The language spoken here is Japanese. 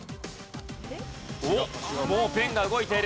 おっもうペンが動いている。